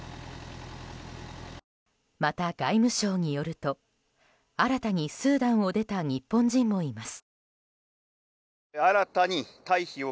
また、外務省によると新たにスーダンを出た日本人もいます。